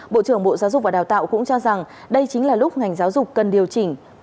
bộ trưởng bộ giáo dục và đào tạo cũng cho rằng đây chính là lúc ngành giáo dục cần điều chỉnh